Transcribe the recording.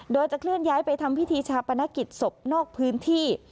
โดยจะเคลื่อนย้ายไปทำพิธีชาปนกิจศพนอกพื้นที่